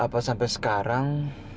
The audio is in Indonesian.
apa sampai sekarang